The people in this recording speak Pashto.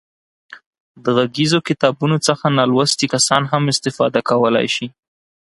د غږیزو کتابونو څخه نالوستي کسان هم استفاده کولای شي.